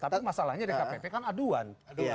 tapi masalahnya di kpp kan aduan